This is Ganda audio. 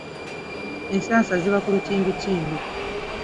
Ensansa ziva ku lukindukundu.